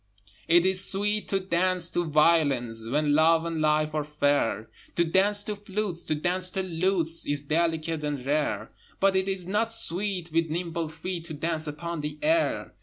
It is sweet to dance to violins When Love and Life are fair: To dance to flutes, to dance to lutes Is delicate and rare: But it is not sweet with nimble feet To dance upon the air!